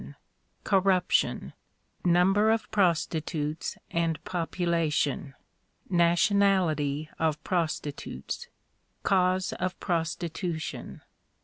Corruption. Number of Prostitutes and Population. Nationality of Prostitutes. Causes of Prostitution.